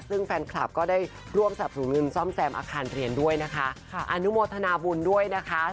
ซึ่งแฟนคลับก็ได้ร่วมสนับสนุนเงินซ่อมแซมอาคารเรียนด้วยนะคะอนุโมทนาบุญด้วยนะคะ